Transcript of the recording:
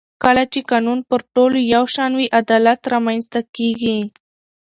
کله چې قانون پر ټولو یو شان وي عدالت رامنځته کېږي